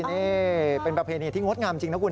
นี่เป็นประเพณีที่งดงามจริงนะคุณ